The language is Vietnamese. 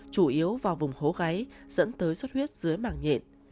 chủ yếu vào vùng hố gáy dẫn tới xuất huyết dưới mảng nhện